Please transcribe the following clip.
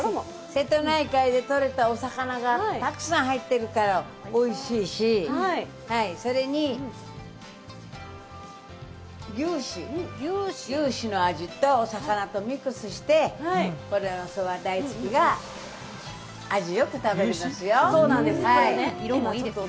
瀬戸内海でとれたお魚がたくさん入ってるからおいしいし、それに牛脂の味と魚とミックスして、味よく食べられますよ。